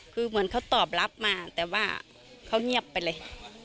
คือเหมือนเขาตอบรับมาแต่ว่าเขาเงียบไปเลย